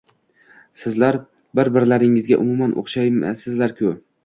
Sizlar bir-birlaringizga umuman o`xshamaysizlar-ku